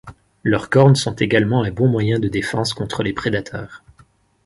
Leurs cornes sont également un bon moyen de défense contre les prédateurs.